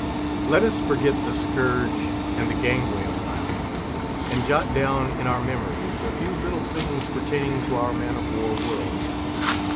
Let us forget the scourge and the gangway a while, and jot down in our memories a few little things pertaining to our man of war world.